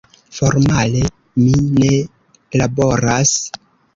Formale mi ne laboras.